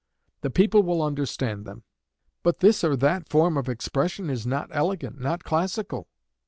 The people will understand them.' 'But this or that form of expression is not elegant, not classical.'